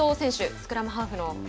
スクラムハーフの。